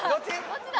どっちだ？